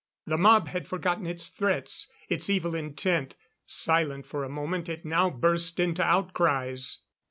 The mob had forgotten its threats, its evil intent. Silent for a moment, it now burst into outcries.